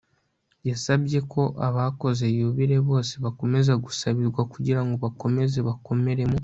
yasabye ko abakoze yubile bose bakomeza gusabirwa kugira ngo bakomeze bakomere mu